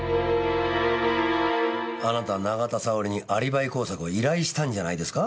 あなた永田沙織にアリバイ工作を依頼したんじゃないですか？